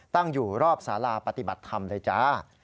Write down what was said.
ตั้งอยู่รอบสาราปฏิบัติธรรมเลยจ้า